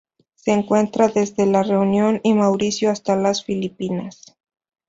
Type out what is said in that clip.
Se encuentra desde la Reunión y Mauricio hasta las Filipinas.